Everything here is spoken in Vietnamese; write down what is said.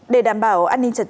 để đảm bảo an ninh trận đấu